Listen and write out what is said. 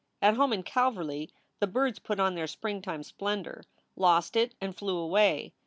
At home in Calverly the birds put on their springtime splendor, lost it, and flew away.